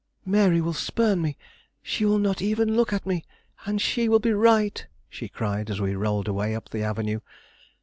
"Mary will spurn me; she will not even look at me; and she will be right!" she cried, as we rolled away up the avenue.